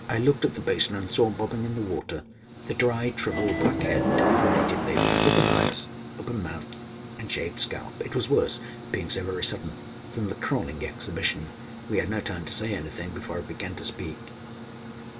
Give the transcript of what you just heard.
I looked at the basin, and saw, bobbing in the water, the dried, shrivelled, black head of a native baby open eyes, open mouth and shaved scalp. It was worse, being so very sudden, than the crawling exhibition. We had no time to say anything before it began to speak.